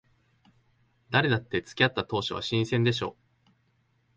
誰だって付き合った当初は新鮮でしょ。